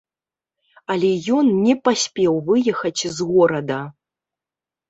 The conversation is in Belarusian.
Але ён не паспеў выехаць з горада.